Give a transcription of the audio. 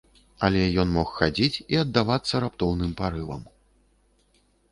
Але ён мог хадзіць і аддавацца раптоўным парывам.